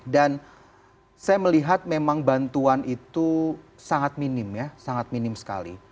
dan saya melihat memang bantuan itu sangat minim ya sangat minim sekali